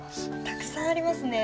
たくさんありますね。